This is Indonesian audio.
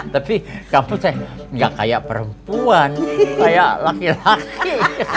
tapi kamu kayak gak kayak perempuan kayak laki laki